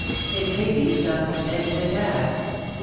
It may be some peine de coeur."